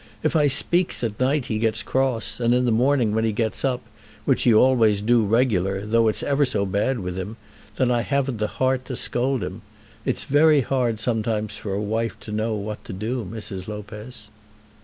If I speaks at night he gets cross; and in the morning when he gets up, which he always do regular, though it's ever so bad with him, then I haven't the heart to scold him. It's very hard sometimes for a wife to know what to do, Mrs. Lopez."